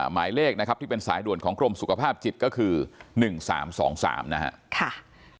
หมายเลขนะครับที่เป็นสายด่วนของกรมสุขภาพจิตก็คือ๑๓๒๓นะครับ